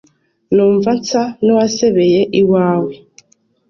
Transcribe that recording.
Numva nsa nuwasebeye iwawe